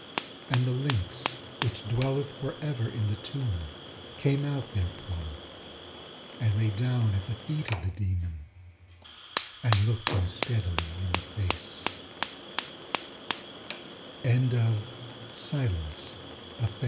And the lynx which dwelleth forever in the tomb, came out therefrom, and lay down at the feet of the Demon, and looked at him steadily in the fac